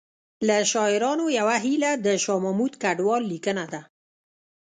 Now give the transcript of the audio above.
له شاعرانو یوه هیله د شاه محمود کډوال لیکنه ده